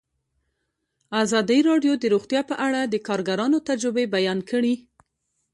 ازادي راډیو د روغتیا په اړه د کارګرانو تجربې بیان کړي.